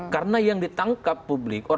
karena yang ditangkap publik orde baru itu